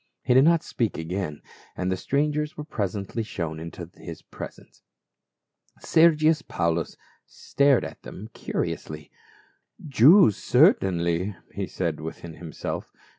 He did not speak again, and the strangers were presently shown into the presence. Sergius Paulus stared at them curiously. "Jews, certainly," he said within himself.